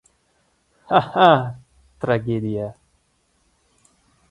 Ha-ha, tragediya!